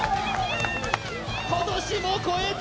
今年も超えた！